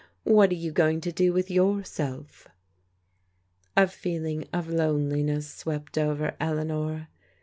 What are you going to do with yourself? " A feeling of loneliness swept over Eleanor.